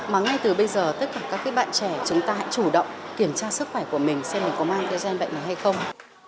mà ngay từ bây giờ tất cả các bạn trẻ chúng ta hãy chủ động kiểm tra sức khỏe của mình xem mình có mang cái gen bệnh này hay không